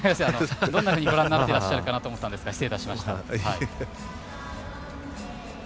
どんなふうにご覧になってらっしゃるかなと思ったんですが、失礼しました。